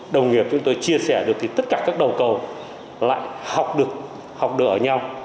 đồng nghiệp chúng tôi chia sẻ được thì tất cả các đầu cầu lại học được học được ở nhau